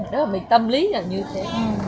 đó là mình tâm lý là như thế